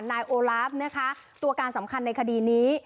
นายโอลาฟนะคะตัวการสำคัญในคดีนี้